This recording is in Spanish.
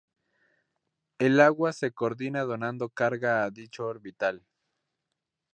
El agua se coordina donando carga a dicho orbital.